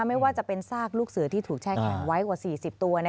ไม่ว่าจะเป็นซากลูกเสือที่ถูกแช่แข็งไว้กว่า๔๐ตัว